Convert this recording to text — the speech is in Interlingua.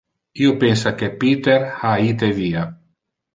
Io pensa que Peter ha ite via.